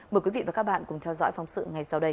mời quý vị và các bạn cùng theo dõi phóng sự ngay sau đây